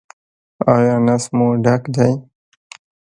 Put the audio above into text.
ایا نس مو ډک دی؟